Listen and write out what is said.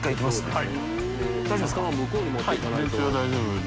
はい。